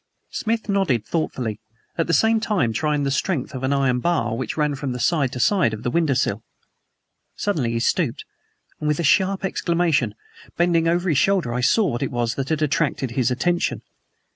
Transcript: Smith nodded thoughtfully, at the same time trying the strength of an iron bar which ran from side to side of the window sill. Suddenly he stooped, with a sharp exclamation. Bending over his shoulder I saw what it was that had attracted his attention.